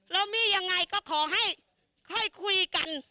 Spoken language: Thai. แล้วมียังไงก็ขอให้ค่อยคุยกัน